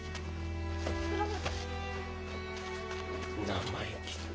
生意気な。